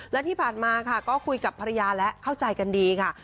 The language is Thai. และที่ผ่านมาค่ะก็คุยกับภรรยาและเข้าใจกันดีค่ะ